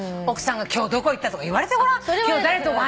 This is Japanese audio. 奥さんが今日どこ行ったとか言われてごらん。